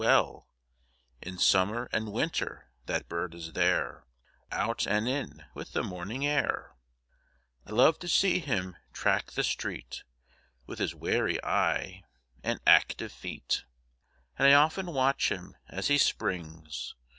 B I li (88) In summer and winter that bird is there, Out and in with the morning air : I love to see him track the street, Witli his wary eye and active feet ; And 1 often watch him as he springs.